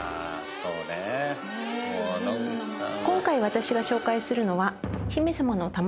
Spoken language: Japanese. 今回私が紹介するのは。